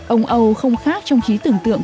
ông âu không khác trong khí tưởng tượng